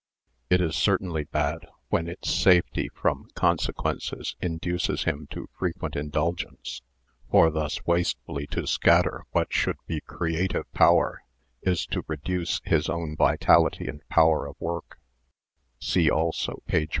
It is certainly bad when its safety from con sequences induces him to frequent indulgence, for thus wastefully to scatter what should be creative power is to reduce his own vitality and power of work (see also page 41).